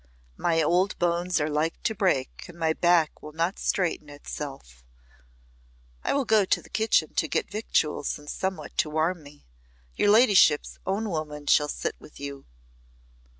"My old bones are like to break, and my back will not straighten itself. I will go to the kitchen to get victuals and somewhat to warm me; your ladyship's own woman shall sit with you."